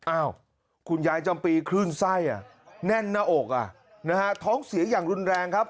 อ้าวคุณยายจำปีคลื่นไส้แน่นหน้าอกอ่ะนะฮะท้องเสียอย่างรุนแรงครับ